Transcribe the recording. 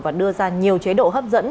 và đưa ra nhiều chế độ hấp dẫn